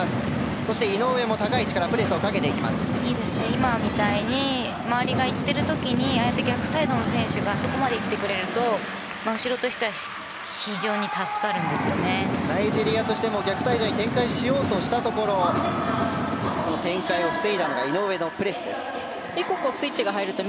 今みたいに周りが行っている時に逆サイドの選手があそこまで行ってくれると後ろとしてはナイジェリアとしても逆サイドに展開しようとしたところその展開を防いだのが井上のプレスでした。